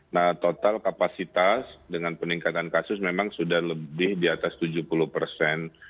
nah total kapasitas dengan peningkatan kasus memang sudah lebih di atas tujuh puluh persen